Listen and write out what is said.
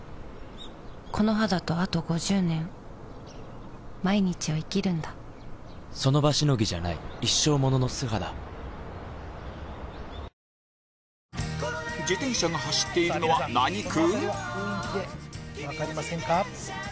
この肌とあと５０年その場しのぎじゃない一生ものの素肌自転車が走っているのは何区？